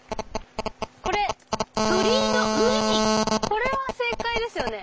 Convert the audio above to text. これは正解ですよね？